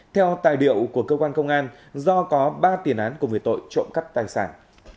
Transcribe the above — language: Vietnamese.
theo tài liệu của cơ quan công an do có ba tiền án cùng với tội trộm cắp tài sản